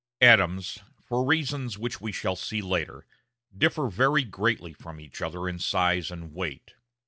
Atoms, for reasons which we shall see later, differ very greatly from each other in size and weight.